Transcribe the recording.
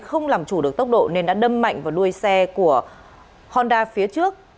không làm chủ được tốc độ nên đã đâm mạnh vào đuôi xe của honda phía trước